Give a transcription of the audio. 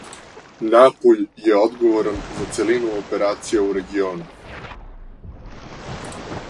Напуљ је одговоран за целину операција у региону.